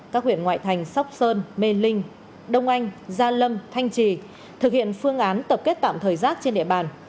các huyện ngoại thành sóc sơn mê linh đông anh gia lâm thanh trì thực hiện phương án tập kết tạm thời rác trên địa bàn